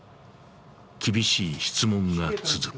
厳しい質問が続く。